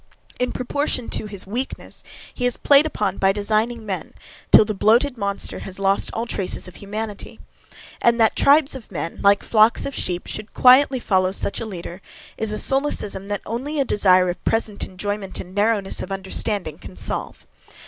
In proportion to his weakness, he is played upon by designing men, till the bloated monster has lost all traces of humanity. And that tribes of men, like flocks of sheep, should quietly follow such a leader, is a solecism that only a desire of present enjoyment and narrowness of understanding can solve.